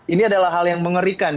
ini adalah hal yang mengerikan